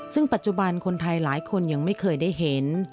ซึ่งปัจจุบันคนไทยหลายคนยังไม่เคยได้เห็น